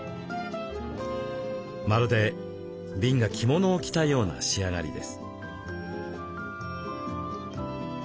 まるで瓶が着物を着たような仕上がりです。